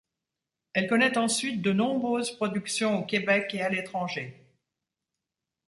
Elle connaît ensuite de nombreuses productions au Québec et à l'étranger.